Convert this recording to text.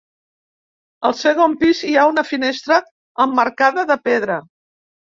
Al segon pis hi ha una finestra emmarcada de pedra.